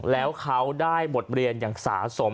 แล้วเขาได้บทเรียนอย่างสะสม